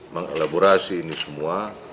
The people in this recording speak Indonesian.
mengelaborasi ini semua